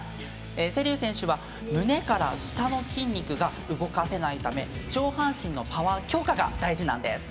瀬立選手は胸から下の筋肉が動かせないため上半身のパワー強化が大事なんです。